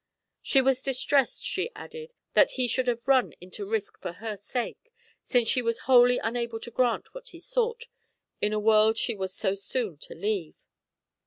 She was distressed, she added, that he should have run such risk for her sake, since she was wholly unable to grant what he sought in a world she was so soon to leave.